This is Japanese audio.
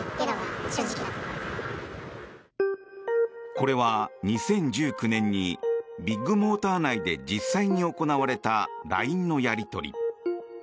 これは２０１９年にビッグモーター内で実際に行われたＬＩＮＥのやり取り。